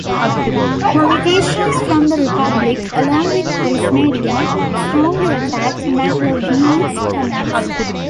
Politicians from the Republic, along with the Irish media, strongly attacked McLaughlin's comments.